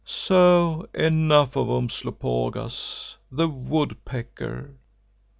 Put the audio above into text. So enough of Umslopogaas, the Woodpecker.